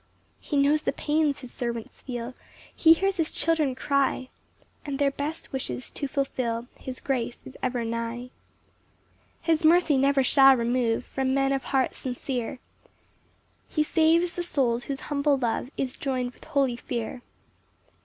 4 He knows the pains his servants feel, He hears his children cry, And their best wishes to fulfil His grace is ever nigh. 5 His mercy never shall remove From men of heart sincere; He saves the souls whose humble love Is join'd with holy fear.